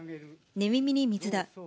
寝耳に水だ。